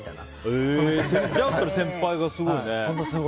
じゃあそれ先輩がすごいね。